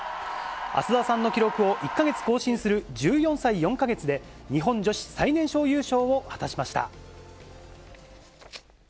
浅田さんの記録を１か月更新する１４歳４か月で、日本女子最年少優勝を果たしました。